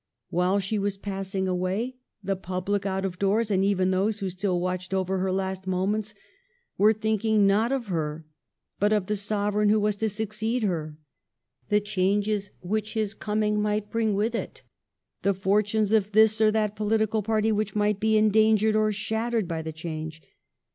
While she was passing away the pubhc out of doors, and even those who still watched over her last moments, were thinking not of her but of the Sovereign who was to succeed her, the changes which his coming might bring with it, the fortunes of this or that political party which might be endangered or shattered by the change.